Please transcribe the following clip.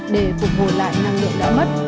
để phục hồi lại năng lượng đã mất